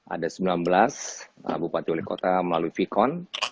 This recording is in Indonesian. ada sembilan belas bupati wali kota melalui vkon